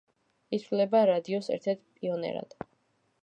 ითვლება რადიოს ერთ-ერთ პიონერად.